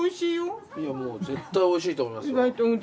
いやもう絶対おいしいと思いますよ。